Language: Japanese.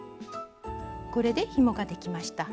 これでひもができました。